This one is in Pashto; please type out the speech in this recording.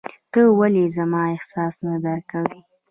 ته ولي زما احساس نه درکوې !